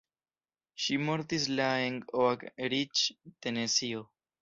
Ŝi mortis la en Oak Ridge, Tenesio.